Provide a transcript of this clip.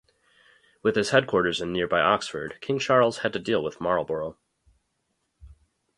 With his headquarters in nearby Oxford, King Charles had to deal with Marlborough.